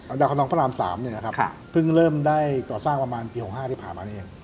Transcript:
อันดับคำนองพระราม๓พึ่งเริ่มได้ก่อสร้างประมาณปี๖๕ที่ผ่านมาเนี่ย